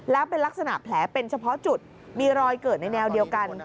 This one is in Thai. แล้วเป็นลักษณะแผลเป็นเฉพาะจุดมีรอยเกิดในแนวเดียวกัน